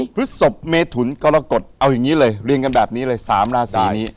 พฤศพเมถุนกรกฎเอาอย่างนี้เลยเรียงกันแบบนี้เลย๓ราศีนี้